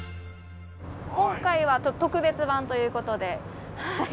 今回は特別版ということで。